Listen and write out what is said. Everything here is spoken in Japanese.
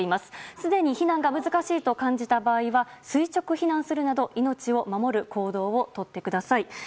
すでに避難が難しいと感じた場合は垂直避難するなど命を守る行動をとってください。